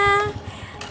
nanti kita berdua